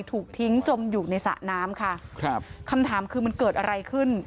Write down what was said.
ถูกทิ้งจมอยู่ในสระน้ำค่ะครับคำถามคือมันเกิดอะไรขึ้น